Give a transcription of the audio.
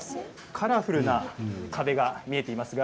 カラフルな壁が見えてます